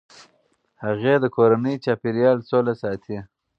هغې د کورني چاپیریال سوله ساتي.